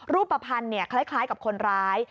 รูปภัณฑ์คล้ายกับคนร้าย